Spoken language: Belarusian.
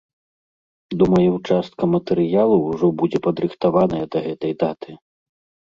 Думаю, частка матэрыялу ўжо будзе падрыхтаваная да гэтай даты.